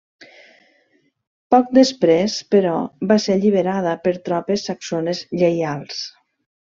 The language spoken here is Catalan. Poc després, però, va ser alliberada per tropes saxones lleials.